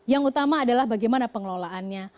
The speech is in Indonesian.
yang utama adalah bagaimana pengelolaannya